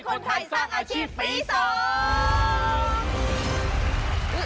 คาถาที่สำหรับคุณ